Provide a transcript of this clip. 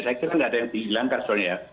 saya kira tidak ada yang hilang kan soalnya ya